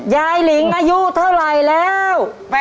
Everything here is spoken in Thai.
ยายหลิงอายุเท่าไรแล้ว